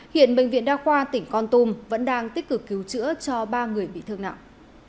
hiện bệnh viện đa khoa tỉnh con tum vẫn đang tích cực cứu chữa cho ba người bị thương nặng